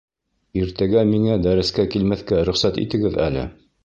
Иртәгә миңә дәрескә килмәҫкә рөхсәт итегеҙ әле